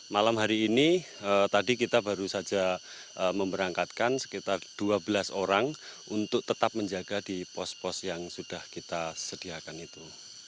malam hari ini tadi kita baru saja memberangkatkan sekitar dua belas orang untuk tetap menjaga di pos pos yang sudah kita sediakan itu